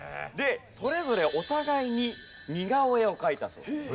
それぞれお互いに似顔絵を描いたそうです。